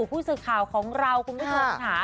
ผู้สื่อข่าวของเราคุณผู้ชมค่ะ